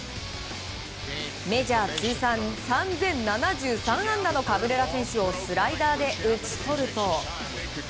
メジャー通算３０７３安打のカブレラ選手をスライダーで打ち取ると。